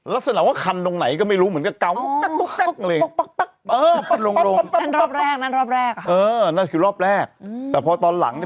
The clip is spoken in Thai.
ลักษณะว่าคันตรงไหนก็ไม่รู้เหมือนกัน